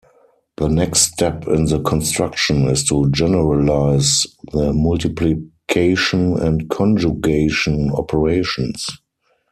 The next step in the construction is to generalize the multiplication and conjugation operations.